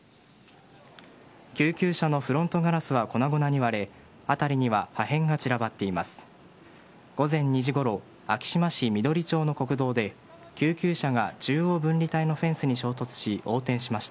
救急車のフロントガラスは粉々に割れ辺りには破片が散らばっています。